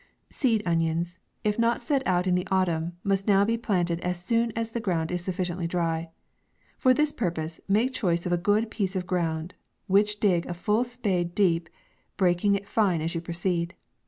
SEED ONIONS, if not set out in the autumn, must now be planted as soon as the ground is sufficiently dry. For this purpose, make choice of a good piece of ground, which dig a full spade deep, breaking it fine as you proceed.